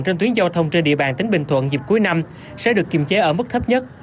trên tuyến giao thông trên địa bàn tỉnh bình thuận dịp cuối năm sẽ được kiềm chế ở mức thấp nhất